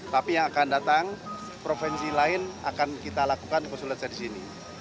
tapi yang akan datang provinsi lain akan kita lakukan konsuler di sini